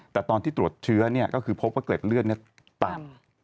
แต่ตอนที่ตรวจเชื้อก็คือพบว่าเกร็ดเลือดต่ำ